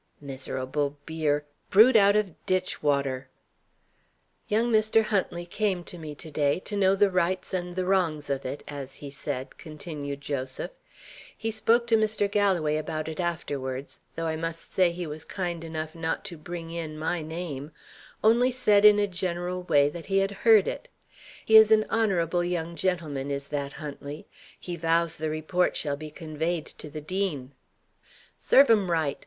"Miserable beer! Brewed out of ditch water!" "Young Mr. Huntley came to me to day, to know the rights and the wrongs of it as he said," continued Joseph. "He spoke to Mr. Galloway about it afterwards though I must say he was kind enough not to bring in my name; only said, in a general way, that he had 'heard' it. He is an honourable young gentleman, is that Huntley. He vows the report shall be conveyed to the dean." "Serve 'em right!"